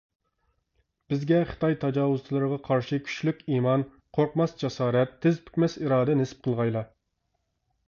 بىزگە خىتاي تاجاۋۇزچىلىرىغا قارشى كۈچلۈك ئىمان، قورقماس جاسارەت، تېز پۈكمەس ئىرادە نېسىپ قىلغايلا.